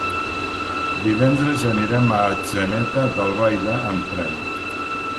Divendres anirem a Atzeneta d'Albaida amb tren.